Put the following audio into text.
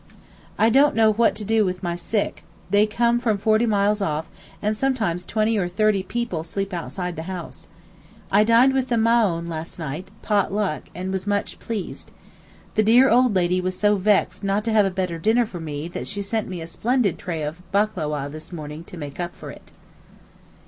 I don't know what to do with my sick; they come from forty miles off, and sometimes twenty or thirty people sleep outside the house. I dined with the Maōhn last night—'pot luck'—and was much pleased. The dear old lady was so vexed not to have a better dinner for me that she sent me a splendid tray of baklaweh this morning to make up for it.